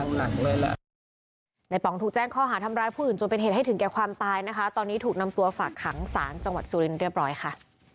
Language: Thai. น่าจะทำร้ายกันอย่างหนักเลยล่ะ